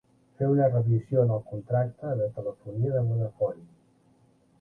Fer una revisió en el contracte de telefonia de Vodafone.